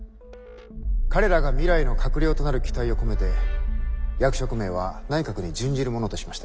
「彼らが未来の閣僚となる期待を込めて役職名は内閣に準じるものとしました」。